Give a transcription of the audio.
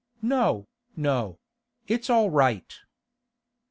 No, no; it's all right.